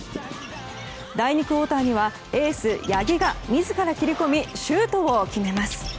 第２クオーターにはエース八木が自ら切り込みシュートを決めます。